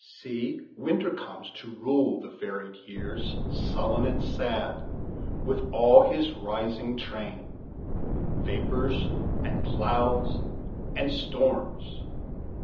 "See, Winter comes, to rule the varied years, Sullen and sad, with all his rising train; Vapors, and clouds, and storms."